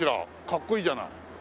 かっこいいじゃない。